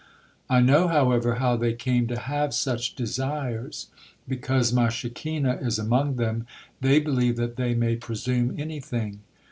I know, however, how they came to have such desires. Because My Shekinah is among them they believe that they may presume anything.